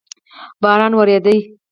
باران اوورېدو؟